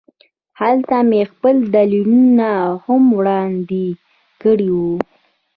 هلته مې خپل دلیلونه هم وړاندې کړي وو